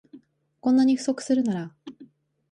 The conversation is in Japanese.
こんなに不足するなら